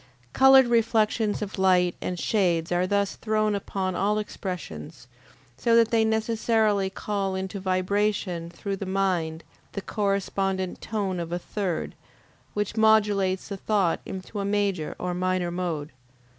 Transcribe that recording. Colored reflections of light and shade are thus thrown upon all expressions, so that they necessarily call into vibration through the mind the correspondent tone of a third, which modulates the thought into a major or minor mode.